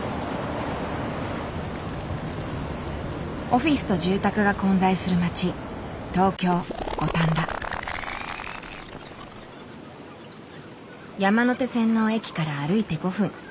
オフィスと住宅が混在する街山手線の駅から歩いて５分。